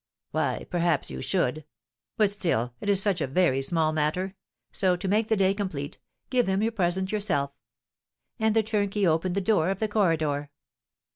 "Why, perhaps you should; but still it is such a very small matter! So, to make the day complete, give him your present yourself." And the turnkey opened the door of the corridor.